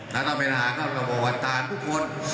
และต่อไปหาเข้าแล้วบอกว่าต่อไปทั้งทุกคน